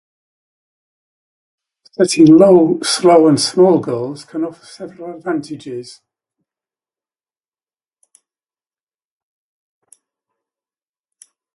Setting low, slow, and small goals can offer several advantages.